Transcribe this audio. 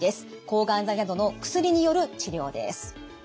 抗がん剤などの薬による治療です。